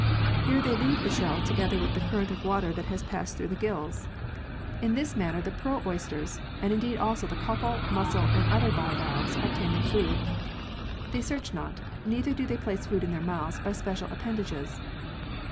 Here they leave the shell together with the current of water that has passed through the gills. In this manner the pearl oysters, and indeed also the cockle, mussel, and other bivalves 32 36 PEARLS [CH. obtain their food. They search not, neither do they place food in their mouths by special appendages.